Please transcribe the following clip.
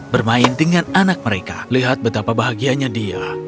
bermain dengan anak mereka lihat betapa bahagianya dia